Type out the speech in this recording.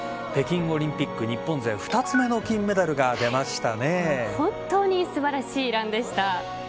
北京オリンピック日本勢２つ目の金メダルが本当に素晴らしいランでした。